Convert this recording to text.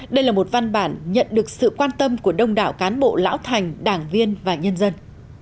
đây là một văn bản nhận được sự quan tâm của đông đảo cán bộ lão thành đảng viên và nhân dân